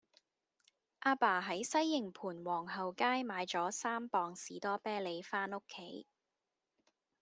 亞爸喺西營盤皇后街買左三磅士多啤梨返屋企